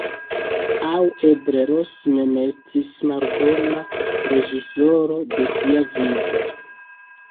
Aŭ eble Ros mem estis malbona reĝisoro de sia vivo.